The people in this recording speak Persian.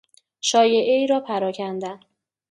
شایعهای را پراکندن